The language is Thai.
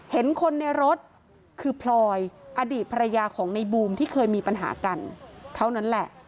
เห็นคนในรถคือพลอยอดีตภรรยาของในบูมที่เคยมีปัญหากันเท่านั้นแหละ